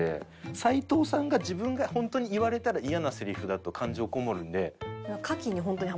齊藤さんが自分が本当に言われたらイヤなせりふだと感情こもるんで。